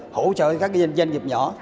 hỗ trợ các doanh nghiệp nhỏ